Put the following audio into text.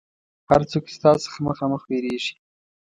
هر څوک چې ستا څخه مخامخ وېرېږي.